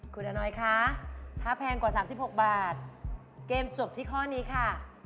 คุณอนอยคะถ้าแพงกว่า๓๖บาทเกมจบที่ข้อนี้ค่ะ